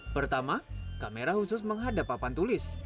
pertama kamera khusus menghadap papan tulis